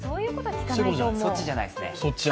そっちじゃないですね。